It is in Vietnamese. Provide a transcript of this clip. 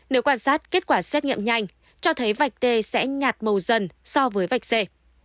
nếu quan sát kết quả xét nghiệm nhanh cho thấy vạch tê sẽ nhạt màu dần so với vạch c